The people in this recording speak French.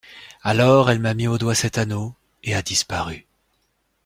Alors elle m’a mis au doigt cet anneau, et a disparu.